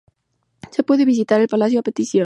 Se puede visitar el palacio a petición.